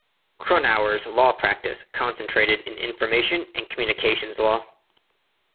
Cronauer's law practice concentrated in information and communications law.